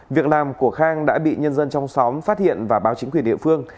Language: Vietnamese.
việc làm của khang đã bị nhân dân trong xóm phát hiện và báo chính quyền địa phương